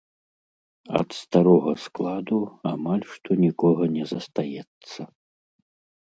Ад старога складу амаль што нікога не застаецца.